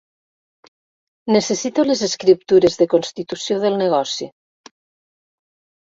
Necessito les escriptures de constitució del negoci.